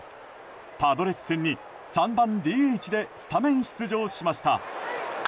パドレス戦に３番ＤＨでスタメン出場しました。